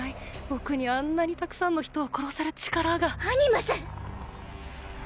僕にあんなにたくさんの人を殺せる力アニムス！